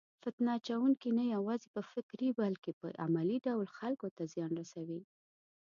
فتنه اچونکي نه یوازې په فکري بلکې په عملي ډول خلکو ته زیان رسوي.